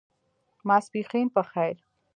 ماسپښېن په خیر !